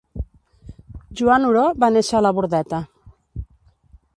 Joan Oró va néixer a la Bordeta.